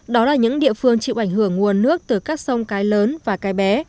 đó là những địa phương chịu ảnh hưởng nguồn nước từ các sông cái lớn và cái bé